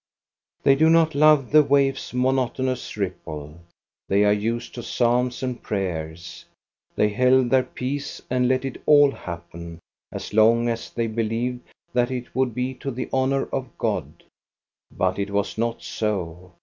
They do not love the waves' monotonous ripple. They are used to psalms and prayers. They held their peace and let it all happen, as long as they believed that it would be to the honor of God. But it was not so.